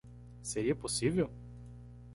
Seria possível?